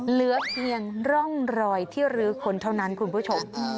เหลือเพียงร่องรอยที่รื้อคนเท่านั้นคุณผู้ชม